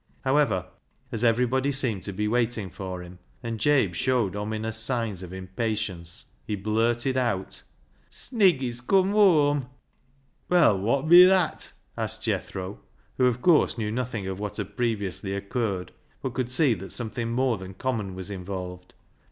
However, as everybody seemed to be waiting for him, and Jabe showed ominous signs of im patience, he blurted out —" Snigg}''s cum whoam." "Well, wot bi that?" asked Jethro, who, of course, knew nothing of what had previously occurred, but could see that something more than common was involved.